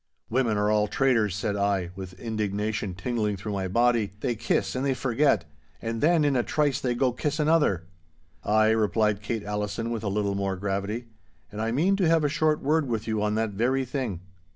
'Women are all traitors!' said I, with indignation tingling through my body; 'they kiss and they forget. And then in a trice they go kiss another—' 'Ay,' replied Kate Allison, with a little more gravity, 'and I mean to have a short word with you on that very thing.